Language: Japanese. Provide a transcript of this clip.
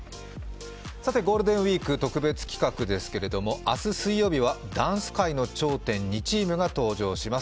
ゴールデンウイーク特別企画ですけれども、明日水曜日はダンス界の頂点２チームが登場します。